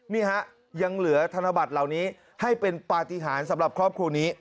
นี่ฮะยังเหลือธนบัตรเหล่านี้ให้เป็นปฏิหารสำหรับครอบครัวนี้